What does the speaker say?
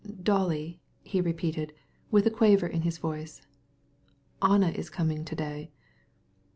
"Dolly!" he repeated, with a quiver in his voice. "Anna is coming today."